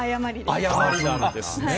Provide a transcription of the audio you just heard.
誤りなんですね。